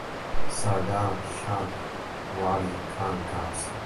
Sardar Shah Wali Khan Ghazi.